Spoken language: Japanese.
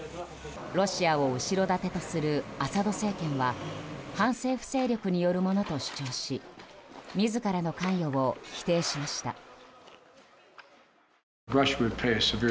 ロシアを後ろ盾とするアサド政権は反政府勢力によるものと主張し自らの関与を否定しました。